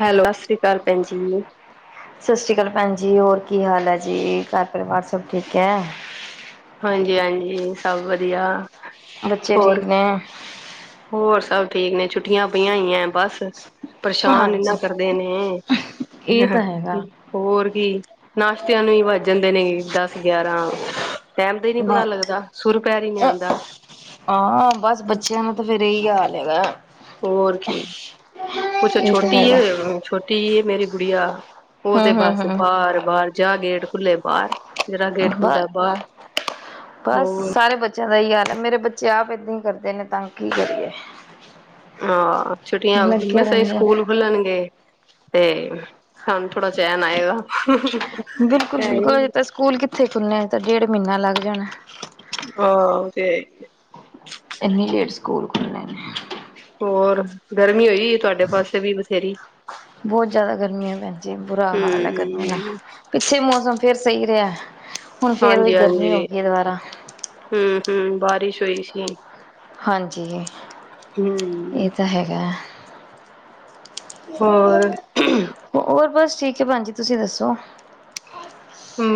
Hello ਸਤ ਸ੍ਰੀ ਅਕਾਲ ਪੈਂਜੀ। ਸਤਿ ਸ਼੍ਰੀ ਅਕਾਲ ਭੈਣ ਜੀ ਹੋਰ ਕੀ ਹਾਲ ਏ ਜੀ, ਘਰ ਪਰਿਵਾਰ ਸਭ ਠੀਕ ਐ। ਹਾਂਜੀ, ਹਾਂਜੀ ਸਭ ਵਧੀਆ। ਬੱਚੇ ਹੋਰ ਠੀਕ ਨੇ। ਹੋਰ ਸਭ ਠੀਕ ਨੇ ਛੁੱਟੀਆਂ ਪਈਆਂ ਹੋਈਆਂ ਐ ਬਸ। ਪਰੇਸ਼ਾਨ ਹਾਂਜੀ ਇਹਨਾਂ ਕਰਦੇ ਨੇ ਇਹ ਤਾਂ ਹੈਗਾ ਹੋਰ ਕੀ। ਨਾਸ਼ਤਿਆਂ ਨੂੰ ਈ ਵੱਜ ਜਾਂਦੇ ਨੇ ਦਸ ਗਿਆਰਾਂ। ਟੈਮ ਦਾ ਹੀ ਨੀ ਬ ਪਤਾ ਲੱਗਦਾ ਸੁਰ ਪੈਰ ਹੀ ਨੀ ਅ ਆਉਂਦਾ ਹਾਂ ਬਸ ਬੱਚਿਆਂ ਨਾ ਤੇ ਫੇ ਰਹੀ ਹਾਲ ਹੇਗਾ। ਹੋਰ ਕੀ ਕੁਛ ਇਹ ਤਾਂ ਛੋਟੀ ਹੈਗਾ ਹੈ ਛੋਟੀ ਮੇਰੀ ਗੁੜੀਆ। ਉਹ ਤੇ ਹਮ ਹਮ ਬਸ ਹਮ ਬਾਰ-ਬਾਰ ਜਾ ਗੇਟ ਖੁੱਲੇ ਬਾਰ। ਬ ਬਸ ਹੋਰ ਸਾਰੇ ਬੱ ਬੱਚਿਆਂ ਦਾ ਹੀ ਹਾਲ ਹੈ ਮੇਰੇ ਬੱਚੇ ਆਪ ਏਦਾਂ ਹੀ ਕਰਦੇ ਨੇ ਤਾਂ ਕੀ ਕਰੀਏ। ਹਹ ਛੁੱਟੀਆਂ ਲੱਗੇ ਮਸਾ ਹੀ ਰਹਿੰਦੇ ਨੇ ਸਕੂਲ ਖੁੱਲਣਗੇ। ਤੇ ਧਨ ਥੋੜਾ ਚੈਨ ਆਏਗਾ। ਬਿਲਕੁਲ ਬਿਲਕੁਲ ਅਜੇ ਤਾਂ ਸਕੂਲ ਕਿੱਥੇ ਖੁੱਲਣੇ ਤਾਂ ਡੇਢ ਮਹੀਨਾ ਲੱਗ ਜਾਣਾ। ਹਾਂ ਉਹ ਤੇ ਹੈ ਹੀ ਹ। ਇੰਨੀ ਲੇਟ ਸਕੂਲ ਖੁੱਲਨੇ ਨੇ। ਹੋਰ। ਗਰਮੀ ਹੋਈ ਤੁਹਾਡੇ ਪਾਸੇ ਵੀ ਬਥੇਰੀ ਬਹੁਤ ਜ਼ਿਆਦਾ ਗਰਮੀ ਹੈ ਭੈਣ ਜੀ ਬੁਰਾ ਹਾਲ ਹੈ ਗਰਮੀ ਨਾਲ ਹੂੰ ਪਿੱਛੇ ਮੌਸਮ ਫਿਰ ਸਹੀ ਰਿਹਾ। ਹੁਣ ਫੇਰ ਉਹੀ ਗਰਮੀ ਹੋ ਹਾਂਜੀ-ਹਾਂਜੀ, ਗਈ ਦੁਬਾਰਾ ਹੂੰ-ਹੁੰ ਬਾ ਬਾਰਿਸ਼ ਹੋਈ ਸੀ। ਹਾਂਜੀ, ਹੂੰ ਇਹ ਤਾਂ ਹੈਗਾ। ਹੋਰ ਹੋਰ ਬਸ ਠੀਕ ਹੈ ਭੈਣ ਜੀ ਤੁਸੀਂ ਦੱਸੋ?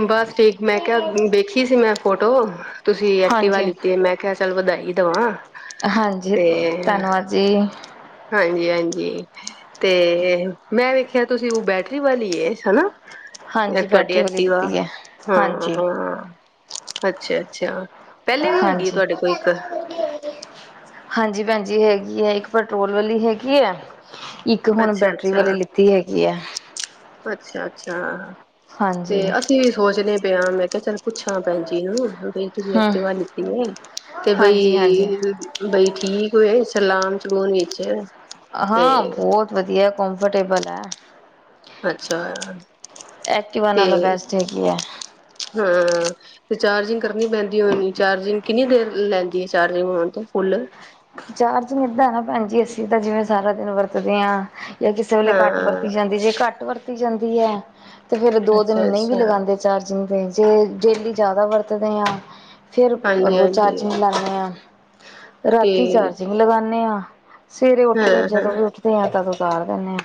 ਬਸ ਠੀਕ, ਮੈਂ ਕਿਹਾ ਵੇਖੀ ਸੀ ਮੈਂ ਫੋਟੋ ਤੁਸੀਂ ਐਕਟਿਵਾ ਹਾਂਜੀ ਲਿਤੀ ਮੈਂ ਕਿਹਾ ਚੱਲ ਵਧਾਈ ਦਵਾਂ। ਹਾਂਜੀ, ਧੰਨਵਾਦ ਜੀ। ਹਾਂਜੀ-ਹਾਂਜੀ ਤੇ ਮੈਂ ਵੇਖਿਆ ਤੁਸੀਂ ਉਹ ਬੈਟਰੀ ਵਾਲੀ ਏ ਹਨਾ। ਹਾਂਜੀ ਤੁਹਾਡੀ ਬੈਟਰੀ ਵਾਲੀ ਐਕਟੀਵਾ, ਲਿੱਤੀ ਹੈ ਹਾਂਜੀ ਹਾਂ-ਹਾਂ ਅੱਛਾ ਅੱਛਾ ਪਹਿਲੇ ਵੀ ਹੈਗੀ ਹਾਂਜੀ, ਤੁਹਾਡੇ ਕੋਲ ਇੱਕ ਹਾਂਜੀ ਭੈਣ ਜੀ ਹੈ ਯੇ ਇੱਕ ਪੈਟਰੋਲ ਵਾਲੀ ਹੈਗੀ ਹੈ। ਇੱਕ ਹੁਣ ਬੈਟਰੀ ਵਾਲੇ ਲਿੱਤੀ ਹੈਗੀ ਹੈ। ਅੱਛਾ-ਅੱਛਾ ਹਾ। ਤੇ ਹਾਂਜੀ ਅਸੀਂ ਵੀ ਸੋਚਣੇ ਪਏ ਆਂ ਮੈਂ ਕਿਹਾ ਚੱਲ ਪੁੱਛਾਂ ਭੈਜੀ ਨੂੰ। ਬਈ ਤੁਸੀਂ ਹਮ ਐਕਟਿਵਾ ਲਿਤੀ ਹੈ ਤੇ ਹਾਂਜੀ ਹਾਂਜੀ ਬਈ-ਬਈ ਠੀਕ ਐ। ਚਲਾਣ-ਚਲੁੰਚ ਵਿੱਚ ਹਾਂ ਤੇ ਬਹੁਤ ਵਧੀਆ। ਕੰਫਰਟੇਬਲ ਆ। ਅੱਛਾ। ਐਕਟੀਵਾ ਤੇ ਨਾਲੋ ਬੈਸਟ ਹੈਗੀ ਹੈ। ਹਾਂ ਤੇ ਚਾਰਜਿੰਗ ਕਰਨੀ ਪੈਂਦੀ ਹੋਏਗੀ, ਚਾਰਜਿੰਗ ਕਿੰਨੀ ਦੇਰ ਲੈਂਦੀ ਹੈ ਚਾਰਜਿੰਗ ਚਾਰਜਿੰਗ ਏਦਾ ਹੈ ਨਾ ਭੈਣ ਜੀ ਅੱਸੀ ਤਾਂ ਜਿਵੇਂ ਸਾਰਾ ਦਿਨ ਵਰਤਦੇ ਹਾਂ। ਜਾਂ ਕਿਸੇ ਵੇਲੇ ਘੱਟ ਹਾਂ ਵਰਤੀ ਜਾਂਦੀ ਜੇ ਘੱਟ ਵਰਤ ਕੀਤੀ ਜਾਂਦੀ ਹੈ। ਤੇ ਫੇਰ ਦੋ ਦਿਨ ਅੱਛਾ ਨਹੀਂ ਵੀ ਅੱਛਾ ਲਗਾਉਂਦੇ ਚਾਰਜ ਇਨ ਦਿਨ ਜੇ ਡੇਲੀ ਜ਼ਿਆਦਾ ਵਰਤਦੇ ਹਾਂ ਫਿਰ ਹਾਂਜੀ ਰੋਜ਼ ਹਾਂਜੀ ਚਾਰਜਿੰਗ ਲਾਉਣੇ ਹਾਂ। [unintelligible] ਤੇ ਤੀ ਚਾਰਜਿੰਗ ਲਗਾਉਣੇ ਹਾਂ। ਸਵੇਰੇ ਉੱਠ ਕੇ ਹਾਂ ਹਾਂ ਜਦੋਂ ਵੀ ਉੱਠਦੇ ਆ ਤਦ ਤਾਰ ਦਿਨੇ ਆ।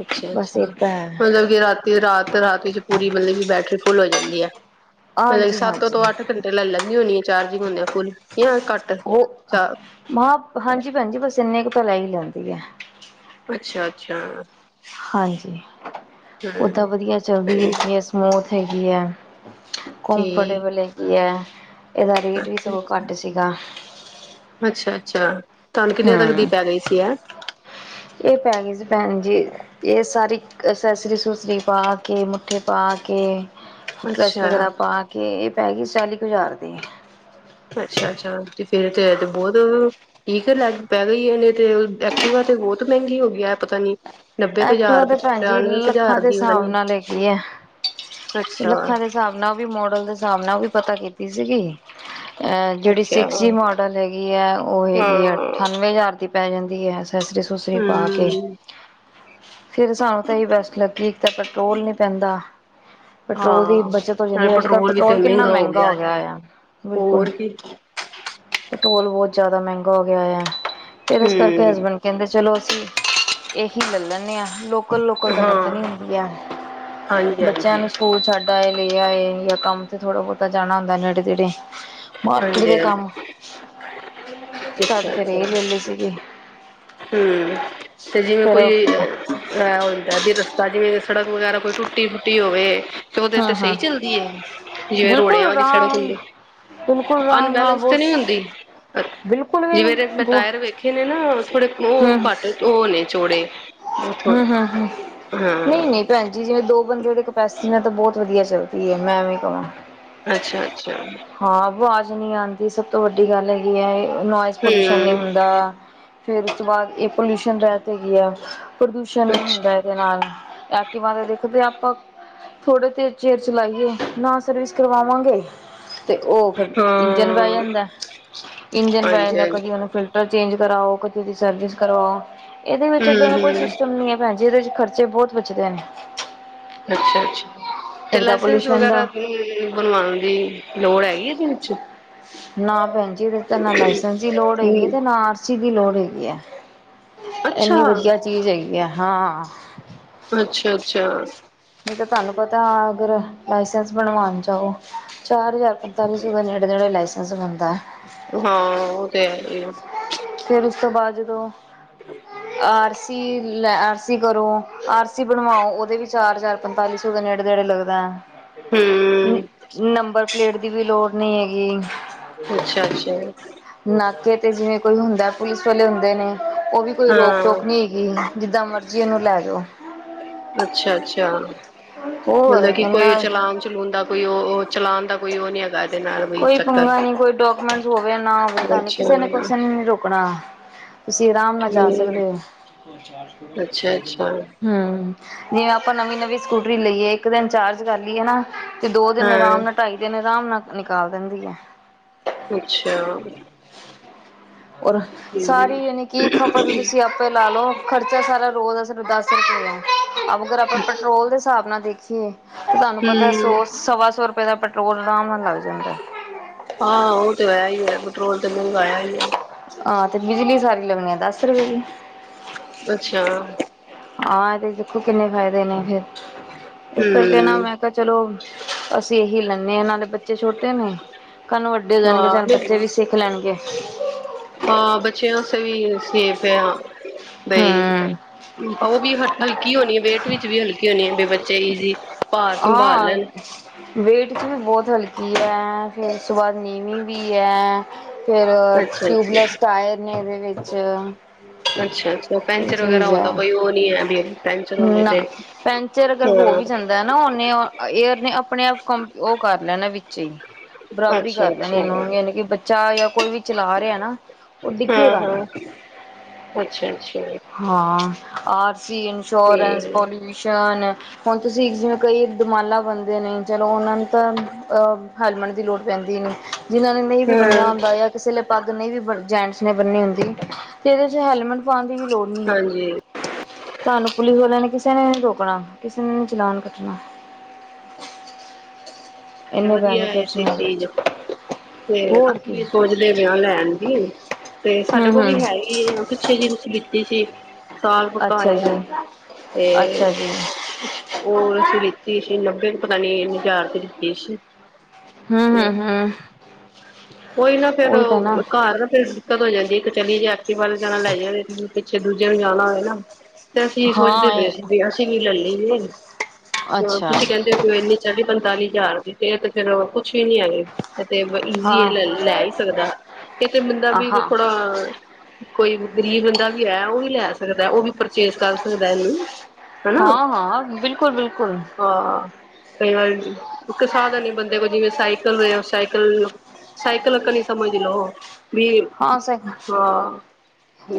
ਅੱਛਾ-ਅੱਛਾ ਮਤਲਬ ਕਿ ਰਾਤੀ ਰਾਤ ਰਾਤ ਵਿੱਚ ਪੂਰੀ ਮਤਲਬ ਕਿ ਬੈਟਰੀ ਫੁੱਲ ਹੋ ਜਾਂਦੀ ਹੈ। ਮ ਹਾਂਜੀ ਸੱਤ ਹਾਂਜੀ ਤੋਂ ਅੱਠ ਘੰਟੇ ਲੈ ਲੈਂਦੀ ਹੋਣੀ ਆ ਚਾਰਜਿੰਗ ਹੁੰਦੀ ਆ ਫੁੱਲ ਜਾਂ ਘੱਟ ਉਹ ਚਾਰ ਮਾਂ ਸਹੀ ਹੈ। ਅੱਛਾ ਅੱਛਾ, ਹਾਂਜੀ, ਓਦਾਂ ਵਧੀਆ ਚੱਲਦੀ ਹੈ, ਇਤਨੀ ਸਮੁਥ ਹੈਗੀ ਐ। ਕਮਫੋਰਟੇਬਲ ਠੀਕ ਹੈਗੀ ਹੈ। ਇਹਦਾ ਰੇਟ ਵੀ ਸਗੋਂ ਅੱਛਾ-ਅੱਛਾ ਘੱਟ ਸੀਗਾ। ਅੱਛਾ-ਅੱਛਾ ਤੁਹਾਨੂੰ ਕਿੰਨਿਆਂ ਤੱਕ ਦੀ ਹਮ ਪੈ ਗਈ ਸੀ ਐ? ਇਹ ਪੈ ਗਈ ਸੀ ਭੈਣ ਜੀ ਇਹ ਸਾਰੀ ਅਸੈਸਰੀ ਅਸੂਸਰੀ ਪਾ ਕੇ ਮੁੱਠੇ ਪਾ ਕੇ ਟਰੱਸਟ ਅੱਛਾ ਵਗੈਰਾ ਪਾ ਕੇ ਪੈ ਗਈ ਚਾਲੀ ਕੁ ਹਜ਼ਾਰ ਦੀ। ਅੱਛਾ-ਅੱਛਾ ਤੇ ਫੇਰ ਤੇ ਬਹੁਤ ਠੀਕ ਲੈਗ ਪੈ ਗਈ ਨਈ ਤੇ ਐਕਟੀਵਾ ਤੇ ਬਹੁਤ ਮਹਿੰਗੀ ਹੋ ਗਈ ਐ ਪਤਾ ਨੀ, ਨੱਬੇ ਕੁ ਐਕਟੀਵਾ ਹਜ਼ਾਰ ਤੇ ਭੈਣ ਜੀ ਪਚਾਨਵੇਂ ਕੁ ਲੱਖਾਂ ਹਜ਼ਾਰ ਦੇ ਦੀ ਪਤਾ ਹਿਸਾਬ ਨੀ ਨਾਲ ਹੈਗੀ ਹੈ, ਲੱਖਾਂ ਦੇ ਹਿਸਾਬ ਨਾਲ ਉਹ ਵੀ ਮੋਡਲ ਦੇ ਹਿਸਾਬ ਨਾਲ ਉਹ ਵੀ ਪਤਾ ਕੀਤੀ ਸੀ ਸੀ ਗੀ। ਜਿਹੜੀ ਸਿਕਸ ਜੀ ਅੱਛਾ-ਅੱਛਾ ਮੋਡਲ ਹੈਗੀ ਹੈ, ਉਹ ਹਾਂ। ਹੈਗੀ ਆ ਅਠਾਨਵੇਂ ਹਜ਼ਾਰ ਦੀ ਪੈ ਜਾਂਦੀ ਹੈ। ਬੇ ਸੂਸੀ ਪਾ ਕੇ, ਹੂੰ, ਫੇਰ ਸਾਨੂੰ ਤਾਂ ਬੈਸਟ ਲੱਗੀ ਇੱਕ ਤਾਂ ਪੈਟਰੋਲ ਨੀ ਪੈਂਦਾ। ਪੈਟਰੋਲ ਦੀ ਹਾਂ ਬੱਚਤ ਹੋ ਨਾਲੇ ਜਾਂਦੀ ਅੱਜਕੱਲ ਵੀ ਤੇ ਪੈਟਰੋਲ ਕਿੰਨਾ ਮਹਿੰਗਾ ਹੋ ਗਿਆ ਹੈ। ਆ ਬਿਲਕੁਲ, ਹੋਰ ਕੀ ਪੇਟੋਰਲ ਬਹੁਤ ਜਿਆਦਾ ਮਹਿੰਗਾ ਹੋ ਗਿਆ ਆ। ਫਿਰ ਇਸ ਕਰਕੇ ਹੂੰ, ਹਸਬੈਂਡ ਕਹਿੰਦੇ ਚਲੋ, ਇਹੀ ਲੈ ਲੈਂਨੇ ਆ। ਲੋਕਲ ਲੋਕਲ ਤਾਂ ਹਾਂ। ਵਰਤਣੀ ਹੁੰਦੀ ਹੈ, ਹਾਂਜੀ, ਬੱਚਿਆਂ ਹਾਂਜੀ, ਨੂੰ ਸਕੂਲ ਛੱਡਨਾ ਇਹ ਲੇ ਆਏ ਜਾਂ ਕੰਮ ਤੇ ਥੋੜ੍ਹਾ ਬਹੁਤਾ ਜਾਣਾ ਹੁੰਦਾ ਨੇੜੇ ਤੇੜੇ, ਮਾਰਕੀਟ ਹਾਂਜੀ, ਦੇ ਕੰਮ ਹਾਂਜੀ ਤਦ ਅੱਛਾ, ਫੇਰ ਇਹ ਅੱਛਾ ਲੈਲੀ ਸੀਗੀ। ਹੂੰ ਤੇ ਜਿਵੇਂ। ਕੋਈ ਫਿਰ ਐ ਹੁੰਦਾ ਵੀ। ਰਸਤਾ ਜਿਵੇਂ ਸੜਕ ਵਗੈਰਾ ਕੋਈ ਟੁੱਟੀ ਫੁੱਟੀ ਹੋਵੇ। ਤੇ ਉਹਦੇ ਹਾਂ ਤੇ ਹਾਂ ਸਹੀ ਚੱਲਦੀ ਹੈ ਜਿਵੇਂ ਰੋੜਿਆਂ ਬਿਲਕੁਲ ਵਾਲੀ ਸੜਕ ਰਾਮ ਹੁੰਦੀ ਬਿਲਕੁਲ ਰਾਮ ਨਾ ਅਨਬੈਲੈਂਸ ਤੇ ਬੋਸ ਨਹੀਂ ਹੁੰਦੀ। ਅੱਛਾ ਬਿਲਕੁਲ ਵੀ ਨਹੀਂ ਜਿਵੇਂ ਦੇ ਮੈਂ ਬੋ ਟਾਇਰ ਵੇਖੇ ਨੇ ਨਾ। ਉਹ ਘੱਟ ਉਹ ਨੇ ਚੋੜੇ। ਹੂੰ ਹੂੰ ਹੂੰ ਨਹੀਂ ਨਹੀਂ ਭੈਣ ਜੀ ਜਿਵੇਂ ਦੋ। ਬੰਦੇ ਦੇ। ਪੈਸੀਨਅ ਤਾਂ ਬਹੁਤ ਵਧੀਆ। ਚਲਦੀ ਮੈਂ ਐਵੀਂ ਕਵਾ। ਅੱਛਾ ਅੱਛਾ। ਹਾਂ ਆਵਾਜ਼ ਨਹੀਂ ਆਉਂਦੀ ਸਭ ਤੋਂ ਵੱਡੀ ਗੱਲ ਹੈਗੀ ਹੈ। ਨੋਇਜ਼ ਪੋਲਿਊਸ਼ਨ ਨਹੀਂ ਹੂੰ, ਹੁੰਦਾ। ਫਿਰ ਉਸ ਤੋਂ ਬਾਅਦ ਇਹ ਪੋਲਿਊਸ਼ਨ ਰਹਿ ਤੇ ਗਿਆ। ਪ੍ਰਦੂਸ਼ਣ ਨਹੀਂ ਅੱਛਾ, ਹੁੰਦਾ ਇਹਦੇ ਨਾਲ। ਦੁਬਾਰਾ ਦੇਖਦੇ ਆਪਾਂ ਥੋੜੇ ਦੇਰ ਚਿਰ ਚਲਾਈਏ ਨਾ ਸਰਵਿਸ ਕਰਵਾਵਾਂਗੇ। ਤੇ ਉਹ ਫਿਰ ਇੰਜਣ ਪੈ ਹਾਂ, ਜਾਂਦਾ ਇੰਜਣ ਪੈ ਜਾਂਦਾ ਹਾਂਜੀ-ਹਾਂਜੀ, ਕਦੀ ਉਹਨੂੰ ਫਿਲਟਰ ਚੇਂਜ। ਕਰਾਓ ਕਦੇ ਇੱਧੀ ਦੀ ਸਰਵਿਸ ਕਰਵਾਓ। ਇਹਦੇ ਵਿੱਚ, ਇੱਦਾਂ ਦਾ ਕੋਈ ਹੂੰ-ਹੂੰ, ਸਿਸਟਮ ਨੀ ਹੈ, ਭੈਣ ਜੀ। ਇਹਦੇ ਚ ਘਟ ਖਰਚ ਬੱਚੇ ਬਹੁਤ ਪੁੱਛਦੇ ਨੇ। ਅੱਛਾ-ਅੱਛਾ। ਤੇ, ਇੱਕ ਤਾਂ ਲਾਇਸੈਂਸ ਪੋਲਿਊਸ਼ਨ ਵਗੈਰਾ ਦਾ ਬਣਵਾਨਦੀ ਲੋੜ ਹੈਗੀ ਇਹਦੇ ਵਿੱਚ? ਨਾ ਭੈਣ ਜੀ ਏਦੇ ਚ ਤਾ ਨਾਂ ਲਾਇਸੈਂਸ ਦੀ ਲੋੜ ਹੈਗੀ ਹੂੰ, ਹੈ, ਤੇ ਨਾ ਆਰ ਸੀ ਦੀ ਲੋੜ ਹੈਗੀ ਆ, ਅੱਛਾ, ਇਨੀ ਵਧੀਆ ਚੀਜ਼ ਹੈਗੀ ਆ। ਹਾਂ ਅੱਛਾ-ਅੱਛਾ। ਨਹੀਂ ਤਾ ਤੁਹਾਨੂੰ ਪਤਾ ਅਗਰ। ਲਾਇਸੈਂਸ ਬਣਵਾਉਣ ਜਾਓ, ਚਾਰ ਹਜ਼ਾਰ, ਪੰਤਾਲੀ ਸੌ ਦੇ, ਨੇੜੇ ਨੇੜੇ ਲਾਇਸ ਇਸ ਬੰਦਾ ਹਾਂ, ਉਹ ਤੇ, ਹੈ, ਹੀ ਏ। ਆਰਸੀ ਲੈ, ਆਰਸੀ ਕਰੋ, ਆਰਸੀ ਬਣਵਾਓ, ਉਹਦੇ ਵੀ ਚਾਰ ਹਜ਼ਾਰ, ਪੰਤਾਲੀ ਸੌ ਦੇ, ਨੇੜੇ-ਤੇੜੇ ਲੱਗਦੈ। ਹੂੰ ਨੰਬਰ ਪਲੇਟ ਦੀ ਵੀ ਲੋੜ। ਨਹੀਂ ਹੈਗੀ। ਅੱਛਾ- ਅੱਛਾ। ਨਾਕੇ ਤੇ, ਜੀਵੇਂ ਕੋਈ ਹੁੰਦਾ ਪੁਲਿਸ ਵਾਲੇੁ ਅਤੇ ਨੇ ਉਹ ਵੀ, ਕੋਈ ਰੋਕ- ਹਾਂ। ਟੋਕ ਨਹੀ ਹੈਗੀ, ਜਿੱਦਾਂ ਮਰਜ਼ੀ ਉਹਨੂੰ ਲੈ ਜਾਓ। ਅੱਛਾ-ਅੱਛਾ, ਹੋਰ ਮਤਲਬ ਕਿ, ਇਨਾ ਕੋਈ ਚਲਾਨ- ਚਲੂਨ ਦਾ ਕੋਈ, ਉਹ, ਉਹ ਚਲਾਨ ਦਾ ਹੋਈ--ਰ ਕੋਈ ਪੰਗਾ ਨੀ, ਕੋਈ ਡਾਕੂਮੈਂਟ ਹੋਵੇ ਨਾ, ਹੋਵੇ ਤੁਹਾਨੂੰ ਅੱਛਾ, ਕਿਸੇ ਨੇ, ਕੁ ਨੀ ਰੋਕਣਾ ਤੁਸੀਂ ਆਰਾਮ ਨਾਲ ਜਾ ਹੂੰ, ਸਕਦੇ ਹੋ। ਅੱਛਾ-ਅੱਛਾ, ਹੰ ਜਿਵੇਂ, ਆਪਾਂ ਨਵੀਂ-ਨਵੀਂ ਸਕੂਟਰੀ ਲਈਏ ਇੱਕ ਦਿਨ ਚਾਰਜ ਕਰ ਲਈਏ ਨਾ ਤੇ, ਦੋ, ਦਿਨ ਹਾਂ। ਆਰਾਮ ਨਾਲ ਢਾਈ ਦਿਨ, ਆਰਾਮ ਨਾਲ ਨਿਕਾਲ ਦਿੰਦੀ ਹੈ। ਅੱਛਾ। ਹੋਰ, ਹੂੰ ਸਾਰੀ ਯਾਨੀ ਕਿ ਖਪਤ ਤੁਸੀਂ ਆਪੇ ਲਾ ਲਓ, ਖਰਚਾ ਸਾਰਾ ਰੋਜ ਦਾ ਫਿਰ ਦੱਸ ਸਕ ਅਗਰ, ਆਪਾਂ ਪੈਟਰੋਲ ਦੇ ਹਿਸਾਬ ਨਾਲ ਦੇਖੀ ਹੰ ਤੁਹਾਨੂੰ ਪਤਾ, ਸੋ, ਸਵਾ ਸੌ ਰੁਪ ਦਾ ਪੈਟਰੋਲ ਆਰਾਮ ਨਾਲ ਲੱਗ ਜਾਂਦਾ। ਹਾਂ ਉਹ ਤੇ ਹੈ ਹੀ ਹੈ ਪੈਟਰੋਲ ਤੇ ਮਹਿੰਗਾ ਹੈ ਹੀ ਹੈ। ਹਾਂ ਤੇ [unintelligible] ਦਸ ਰੁਪਏ ਦੀ। ਅੱਛਾ ਹਾਂ ਇਹਦੇ ਦੇਖੋ ਕਿੰਨੇ ਫਾਇਦੇ ਨੇ ਫੇਰ। ਇਸ ਕਰਕੇ ਨਾ ਹੂੰ ਮੈਂ ਕਿਹਾ ਚਲੋ ਇਹੀ ਲੈਂਨ ਹ ਨਾਲੇ ਬੱ ਬਚੇ ਛੋਟੇ ਨੇ ਕੱਲ ਨੂੰ ਵੱਡੇ ਹੋ ਜਾਣਗੇ ਹਾਂ ਚੱਲ ਬੱਚੇ ਨਹੀਂ ਵੀ ਸਿੱਖ ਲੈਣਗੇ। ਹਾਂ ਹਾਂ ਬੱਚਿਆਂ ਆਸੇਵੀ ਸੇਫ ਹੈ ਹਾਂ। ਬਈ ਹੂੰ ਉਹ ਵੀ ਹ ਹਲਕੀ ਹੋਣੀ ਹੈ ਵੇਟ ਵਿੱਚ ਵੀ ਹਲਕੀ ਹੋਣੀ ਹੈ ਬ ਬੱਚੇ ਈਜ਼ ਭਾਰ ਸੰਭਾਲ ਹਾਂ ਲੈਣ। ਵੇਟ ਚ ਵੀ ਬਹੁਤ ਹਲਕੀ ਹੈ ਫਿਰ ਉਸ ਤੋਂ ਬਾਅਦ ਨੀਵੀਂ ਵੀ ਹੈ। ਫੇਰ ਅੱਛਾ ਅੱਛਾ ਟਿਊਬਲੈਸ ਟਾਇਰ ਨੇ ਇਹਦੇ ਵਿੱਚ। ਅੱਛਾ ਅੱਛ ਇਹ ਚੀਜ਼ ਹੈ ਪੈਂਚਰ ਹੋਵੇ ਨਾ ਤੇ ਪੈਂਚਰ ਅਗਰ ਹੋ ਹਾਂ ਵੀ ਜਾਂਦਾ ਨਾ ਉਹਨੇ ਏਅਰ ਨੇ ਆਪਣੇ ਆਪ ਕੰ ਉਹ ਕਰ ਲੈਣਾ ਵਿੱਚ ਹੀ ਬਰਾਬਰੀ ਅੱਛਾ ਕਰ ਲੈਣੀ ਅੱਛਾ ਇਹਨੂੰ ਯਾਨੀ ਕੀ [unintelligible] ਕੋਈ ਵੀ ਚਲਾ ਰਿਹਾ ਨਾ ਉਹ ਹਾਂ ਡਿੱਗੇਗਾ ਨੀ। ਹਾਂ [unintelligible] ਹਾਂ ਆ ਸੀ ਤੇ ਇੰਸ਼ੋਰੈਂਸ ਪੋਲਿਊਸ਼ਨ ਹੁਣ ਤੁਸੀਂ ਜਿਵੇਂ ਕਈ ਦੁਮਾਲਾ ਬੰਦੇ ਨੇ। ਚਲੋ ਉਹਨਾਂ ਨੂੰ ਤਾਂ ਹੈਲਮਟ ਦੀ ਲੋੜ ਪੈਂਦੀ ਨਹੀਂ ਜਿਹਨਾਂ ਨੇ ਨਹੀਂ ਵੀ ਹਾਂ ਬੰਨਿਆ ਹੁੰਦਾ ਜਾਂ ਕਿਸੇ ਪੱਗ ਨਹੀਂ ਵੀ ਜੈਂਟਸ ਨੇ ਬੰਨੀ ਹੁੰਦੀ ਤੇ ਇਹਦੇ ਚ ਹੈਲਮਟ ਦੀ ਵੀ ਲੋੜ ਨਹੀਂ ਹੈਗੀ ਹਾਂਜੀ ਤੁਹਾਨੂੰ ਪੁਲਿਸ ਵਾਲਿਆਂ ਨੇ ਕਿਸੇ ਨੇ ਨੀ ਰੋਕਣਾ ਕਿਸੇ ਨੇ ਨੀ ਚਲਾਨ ਕੱਟਣਾ। ਇੰਨੇ ਵਧੀਆ ਬੈਨੀਫਿਟਸ ਇੱਥੇ ਨੇ ਇਹਦੇ ਚੀਜ਼ ਚ ਤੇ ਹੋਰ ਅਸੀਂ ਕੀ ਵੀ ਸੋਚਦੇ ਪਏ ਹ ਲੈਣ ਦੀ ਤੇ ਸਾਡੇ ਹੂੰ ਕੋਲ ਹੂੰ ਵੀ ਹੈ ਹੀ ਆ ਪਿੱਛੇ ਜਿ ਤੁਸੀਂ ਲਿਤੀ ਸੀ। ਸਾਲ ਪਕਾ ਅੱਛਾ ਹੋਇਆ ਜੀ ਅੱਛਾ ਜੀ ਤੇ ਉਹ ਅਸੀਂ ਲਿੱਤੀ ਸੀ ਨੱਬੇ ਪਤਾ ਨੀ ਹਜ਼ਾਰ ਰੁਪਏ ਦੀ। ਲਿੱਤੀ ਸੀ ਹਮ-ਹਮ, ਹਮ ਕੋਈ ਨਾ ਫੇਰ ਘਰ ਨਾ ਫੇਰ ਦਿੱਕਤ ਹੋ ਜਾਂਦੀ। ਚਲੀ ਜਾ ਵੱਲ ਜਾਣਾ ਲੈ ਜਾਂਦੇ ਪਿੱਛੇ ਦੂਜੇ ਨੂੰ ਜਾਣਾ ਹੋਵੇ ਨਾ ਤੇ ਅਸੀਂ ਸੋਚਦੇ ਹਾਂ ਪਏ ਸੀ ਇਹ ਵੀ ਅਸੀਂ ਵੀ ਲੈ ਲਈਏ ਅੱਛਾ ਤੁਸੀਂ ਕਹਿੰਦੇ ਹੋ ਕਿ ਇੰਨੀ ਚਾਲੀ ਪੰਤਾਲੀ ਯਾਰ ਤੇ ਇਹ ਤੇ ਫੇਰ ਕੁੱਛ ਵੀ ਨੀ ਹੈਗੀ ਜ਼ੀ ਹਾਂ ਲੈ ਲੈ ਹੀ ਸਕਦਾ ਕਿਤੇ ਬੰਦਾ ਵੀ ਕੋ ਹਾਂ ਥੋੜਾ ਕੋਈ ਗਰੀਬ ਬੰਦਾ ਵੀ ਹੈ ਉਹ ਵੀ ਲੈ ਸਕਦਾ ਉਹ ਵੀ ਚੇਸ ਕਰ ਸਕਦਾ ਇਹਨੂੰ ਹਨਾ ਹਾਂ ਹਾਂ ਬਿਲਕੁਲ ਬਿਲਕੁਲ ਆਹ ਕਈ ਵਾਰ ਇੱਕ ਸਾਧਨ ਹੀ ਬੰਦੇ ਕੋਲ ਜਿਵੇਂ ਸਾਈਕਲ ਹੋਇ ਆ ਸਾਈਕਲ ਸਾਇਕ ਲ ਕ ਨਹੀਂ ਸਮਝ ਲੋ ਵੀ ਹਾਂ ਸ ਹਾਂ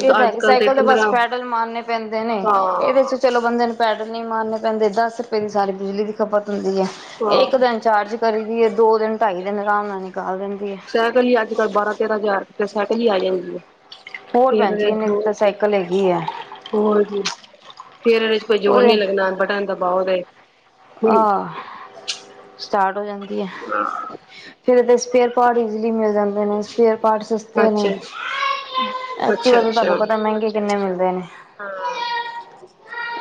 ਇਹ ਤਾਂ ਹੈ ਅੱਜ ਕਿ ਕੱਲ ਸਾਈਕਲ ਤੇ ਬਸ ਪੰਦਰਾਂ ਪੈਡਲ ਮਾਰਨੇ ਪੈਂਦੇ ਨੇ ਇਹਦੇ ਹਾਂ ਚ ਚਲੋ ਬੰਦੇ ਨੇ ਪੈਡਲ ਨਹੀਂ ਮਾਰਨ ਪੈਂਦੇ ਦਸ ਰੁਪਏ ਦੀ ਸਾਰੀ ਬਿਜਲੀ ਦੀ ਖਪਤ ਹੁੰਦੀ ਹੈ ਹਾਂ ਇੱਕ ਦਿਨ ਚਾਰਜ ਕਰੀ ਦੀ ਹੈ ਦੋ ਦਿਨ ਢਾਈ ਦਿਨ ਆਰਾਮ ਨਾਲ ਨਿਕਾਲਦੇ ਨੇ ਸਾਇਕਲ ਹੀ ਅੱਜ ਕੱਲ੍ਹ ਬਾਰਾਂ ਤੇਰਾਂ ਹਜ਼ਾਰ ਫ ਸਟੀ ਆ ਜਾਂਦੀ ਹੈ [unintelligible] ਹੋਰ ਫੇਰ ਬੈਣਜੀ ਇਹਨੇ ਦੀ ਹੋਰ ਤਾਂ ਕੀ ਸਾਈਕਲ ਹੈਗੀ ਏ। ਹੋਰ ਕੀ ਫੇਰ ਔਰੇ ਚ ਕੋਈ ਜੋੋਰ ਨੀ ਲੱਗਨਾ ਬਟਨ ਦਬ ਬਾਓ ਦੇ ਆ ਸਟਾਰਟ ਹੋ ਜਾਂਦਾ ਫਿਰ ਇਦੇ ਪਰ ਪਾਟ ਇਜ਼ੀਲੀ ਮਿਲ ਜਾਂਦੇ ਨੇ ਫੇਰ ਪਾਰਟ ਸਸਤੇ ਨੇ। ਅੱਛਾ ਅੱਛਾ ਐਕਟੀਵਾ ਦੇ ਤੁਹਾਨੂੰ ਅੱਛਾ ਪਤਾ ਮਹਿੰਗੇ ਕਿੰਨੇ ਮਿਲਦੇ ਨੇ।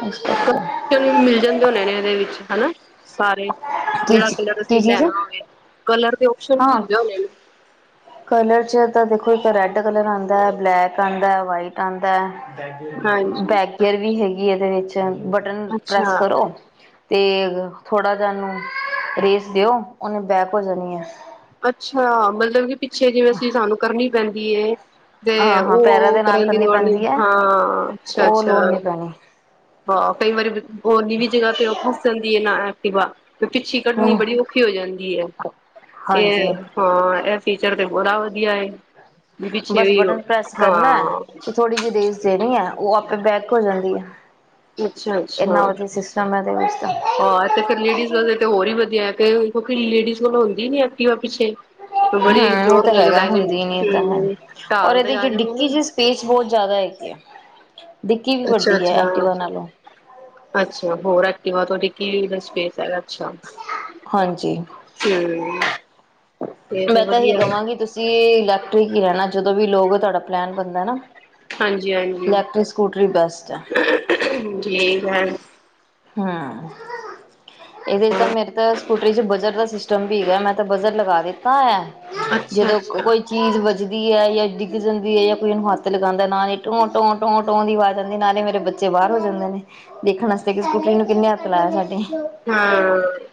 ਇਸ ਕਰਕੇ ਹਾਂ ਮਿਲ ਜਾਂਦੇ ਹੋਣੇ ਨੇ ਇਹਦੇ ਵਿੱਚ। ਹੈਲੋ ਸਾਰੇ। ਕੀ ਜਿਹੜਾ ਚੀ ਕਲਰ ਕੀ ਅਸੀਂ ਚੀਜ਼ ਲੈਣਾ ਹੋਵੇ ਕਲਰ ਦੇ ਔਪਸ਼ਨ ਵੀ ਹਾਂ ਹੁੰਦੇ ਹੁਣੇ ਨ। ਕਲਰ ਚ ਤਾਂ ਦੇਖੋ ਇੱਕ ਰੈਡ ਕਲਰ ਆਂਦਾ, ਬਲੈਕ ਆਂਦਾ, ਵਾਈਟ ਆਂਦਾ। ਹਾਂਜੀ ਬੈਕ ਗੇਅਰ ਵੀ ਹੈਗੀ। ਕੀ ਇਹਦੇ ਵਿੱਚ। ਬਟਨ ਪ੍ਰੈੱਸ ਅੱਛਾ ਕਰੋ ਤੇ ਥੋੜ੍ਹਾ ਜਿਹਾ ਔਨੂੰ ਰੇਸ ਦਿਓ ਔਨੇ ਬੈਕ ਹੋ ਜਾਣੀ ਹੈ। ਅੱਛਾ ਮਤਲਬ ਕਿ ਪਿੱਛੇ ਜਿਵੇਂ ਅਸੀਂ ਸਾਨੂੰ ਕਰਨੀ ਪੈਂਦੀ ਏ। ਤੇ ਹਾਂ ਹਾਂ ਔ ਪੈਰਾਂ ਔ ਦੇ ਨਾਲ ਕਰਨ ਦੀ ਕਰਨੀ ਲੋਡ ਨਹੀ, ਪੈਂਦੀ ਹੈ ਹਾਂ ਉਹ ਅੱਛਾ-ਅੱਛਾ। ਲੋੜ ਨਹੀਂ ਪੈਣੀ ਹਾਂ, ਕਈ ਵਾਰੀ ਹੋਰ ਨੀਵੀਂ ਜਗ੍ਹਾ ਤੇ ਰੱਖੋ [unintelligible] ਏ ਨਾ ਕਿ [unintelligible] ਕੱਢਨੀ ਹਮ ਬੜੀ ਔਖੀ ਹੋ ਜਾਂਦੀ ਏ, ਹਾਂਜੀ ਇਹ ਹਾਂ ਇਹ ਫੀਚਰ ਤੇ ਬੜਾ ਵਧੀਆ ਏ। ਬਸ ਬਟਨ ਪ੍ਰੈਸ ਕਰਨਾ, ਤੇ ਥੋੜ੍ਹੀ ਜਈ ਰੇਸ ਦੇਣੀ ਏ, ਔ ਆਪੇ ਬੈਕ ਹੋ ਜਾਂਦੀ ਹੈ। ਅੱਛਾ-ਅੱਛਾ। ਇੰਨਾ ਵਧੀਆ [unintelligible] ਹਾਂ ਤੇ ਫੇਰ ਲੇਡੀਜ਼ ਤਾਂ ਵਾਲੇ ਤੇ ਹੋਰ ਹੀ ਵਧੀਆ ਹੈ। ਫੇ ਕਿਉਂਕਿ, ਲੇਡੀਜ਼ ਕੋਲੋ ਹੁੰਦੀ ਨੀ ਐਕਟੀਵਾ ਪਿੱਛੇ। ਬੜੀ ਹਾਂ, ਇਹ ਜ਼ੋਰ ਤਾਂ ਹੈਗਾ ਲੱਗਦਾ ਜੇ ਹੁੰਦੀ ਨੀ ਇਹ ਤਾਂ ਹੈ ਹਮ ਔਰ ਢਾਲ ਤੇ ਇਹਦੇ ਚ ਆ ਜਾਵੇ ਨਾ ਡਿੱਕੀ ਚ ਸਪੇਸ ਬਹੁਤ ਜ਼ਿਆਦਾ ਹੈਗੀ ਆ। ਡਿੱਕੀ ਵੀ ਵੱਡੀ ਹੈ ਅੱਛਾ-ਅੱਛਾ, ਐਕਟਿਵਾ ਨਾਲੋਂ ਅੱਛਾ, ਹੋਰ ਐਕਟਿਵਾ ਡਿਕੀ ਦਾ ਸਪੇਸ ਹੈਗਾ। ਅੱਛਾ, ਹਾਂਜੀ ਹੂੰ। ਮੈਂ ਤਾਂ ਇਹੀ ਕਵਾਂਗੀ ਤੁਸੀਂ ਇਲੈਕਟ੍ਰਿਕ ਹੀ ਲੈਣਾ ਜਦੋਂ ਵੀ ਲੋਗੇ- ਤੁਹਾਡਾ ਪਲੈਨ ਬਣਦਾ ਨਾ- ਹਾਂਜੀ-ਹਾਂਜੀ, ਇਲੈਕਟ੍ਰਿਕ ਸਕੂਟਰੀ ਬੈਸਟ ਹੈ ਠੀਕ ਹੈ। ਹਾਂ, ਇਹਦੇ ਚ ਤਾਂ ਮੇਰੇ ਤਾਂ ਸਕੂਟਰੀ ਚ ਬਜਰ ਦਾ ਸਿਸਟਮ ਵੀ ਹੈਗਾ ਮੈਂ ਤਾਂ ਬਜਰ ਲਗਾ ਦਿੱਤਾ ਹੈ। ਅੱਛਾ ਜਦੋਂ ਅੱਛਾ ਕੋਈ ਚੀਜ਼ ਵ ਜਿਦੀ ਹੈ ਜਾਂ ਡਿੱਗ ਜਾਂਦੀ ਹੈ ਜਾਂ ਕੋਈ ਉਹਨੂੰ ਹੱਥ ਲਗਾਉਂਦਾ ਨਾ ਹੀ ਟੋਂ ਟੋ ਟੋਂ ਟੋ ਦੀ ਆਵਾਜ਼ ਆਉਂਦੀ ਨਾਲੇ ਮੇਰੇ ਬੱਚੇ ਬਾਹਰ ਹੋ ਜਾਂਦੇ ਨੇ। [unintelligible] ਇਨੂੰ ਕਿੰਨੇ ਹਥ ਲਾਇਆ ਸਾਡੇ, ਹਾਂ,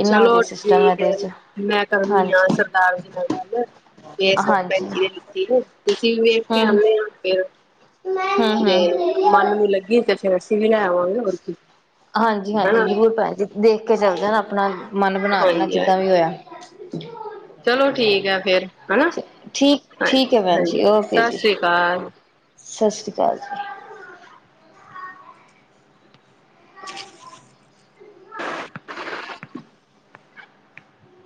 ਇੰਨਾ ਵਧੀਆ ਚਲੋ ਸਿਸਟਮ ਠੀਕ ਇਹਦੇ ਹੈ, ਚ ਮੈਂ ਕਰਨੀ ਆ ਹਾਂਜੀ ਸਰਦਾਰ ਜੀ ਨਾਲ ਗੱਲ ਬੇਸਗ ਭੈ ਹਾਂਜੀ ਤੁਸੀਂ ਵੇਖ ਕੇ ਹਮ ਆਨੇ ਆ ਫਿਰ- ਹਮ ਜੇ ਹਮ ਮਨ ਨੂੰ ਲੱਗੀ ਤੇ ਫੇਰ ਅਸੀਂ ਵੀ ਲੈ ਆਵਾਂਗੇ ਹੋਰ ਕਿ ਹਾਂਜੀ-ਹਾਂਜੀ ਜ਼ਰੂਰ [unintelligible] ਦੇਖ ਕੇ ਚੱਲਦੇ ਨਾ ਆਪਣਾ ਮਨ ਬਣਾਨਾ ਹਾਂਜੀ ਜਿੱਦਾਂ ਹਾਂਜੀ ਵੀ ਹੋਇਆ- ਚਲੋ ਠੀਕ ਹੈ ਫਿਰ ਹੈਨਾ, ਠੀਕ ਠੀਕ ਹੈ ਭੈਣ ਜੀ ਹਾਂਜੀ-ਹਾਂਜੀ ਓਕੇ ਸਤਿ ਜੀ ਸ੍ਰੀ ਅਕਾਲ। ਸਤਿ ਸ਼੍ਰੀ ਅਕਾਲ ਜੀ। [unintelligible]